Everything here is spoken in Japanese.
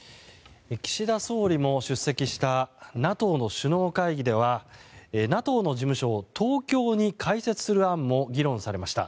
岸田総理も出席したＮＡＴＯの首脳会議ではＮＡＴＯの事務所を東京に開設する案も議論されました。